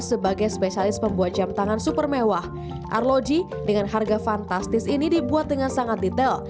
sebagai spesialis pembuat jam tangan super mewah arloji dengan harga fantastis ini dibuat dengan sangat detail